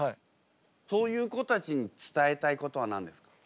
そういう子たちに伝えたいことは何ですか？